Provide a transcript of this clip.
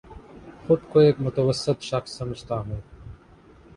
خود کو ایک متوسط شخص سمجھتا ہوں